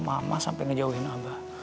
mama harus jauhin abah